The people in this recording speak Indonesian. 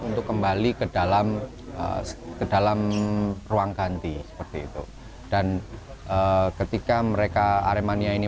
untuk kembali ke dalam ke dalam ruang ganti seperti itu dan ketika mereka aremania ini